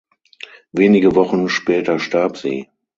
Wenige Wochen später starb sie.